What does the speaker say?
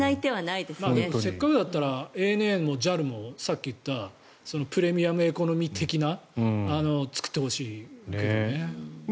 せっかくだったらＡＮＡもＪＡＬもさっき言ったプレミアムエコノミー的なのを作ってほしいけどね。